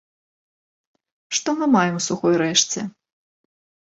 Што мы маем у сухой рэшце?